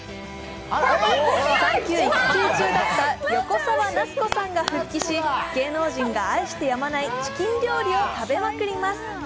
産休・育休中だった横澤夏子さんが復帰し、芸能人が愛してやまないチキン料理を食べまくります。